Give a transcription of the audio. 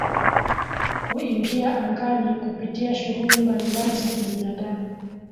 kuingia angani kupitia shughuli mbalimbali za kibinadamu